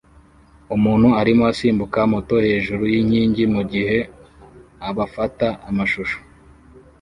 Umuntu arimo asimbuka moto hejuru yinkingi mugihe abafata amashusho